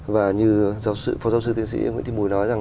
và như phó giáo sư tiến sĩ nguyễn thị mùi nói rằng